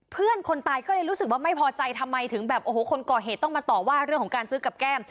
เพื่อนคนตายก็เลยรู้สึกว่าไม่พอใจทำไมถึงแบบโอ้โหคนก่อเหตุต้องมาต่อว่าเรื่องของการซื้อกับแก้ม